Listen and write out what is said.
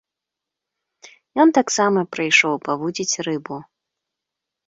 Ён таксама прыйшоў павудзіць рыбу.